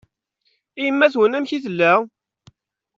I yemma-twen amek i tella?